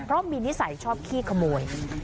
เพราะมีนิสัยชอบขี้ขโมย